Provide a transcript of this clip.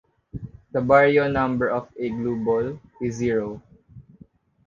The baryon number of a glueball is zero.